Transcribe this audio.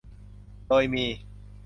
โดยมี